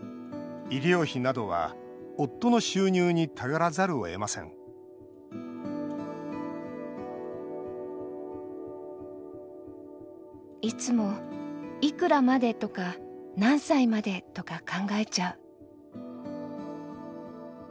医療費などは夫の収入に頼らざるをえませんいつも、いくらまで、とか何歳まで、とか考えちゃう。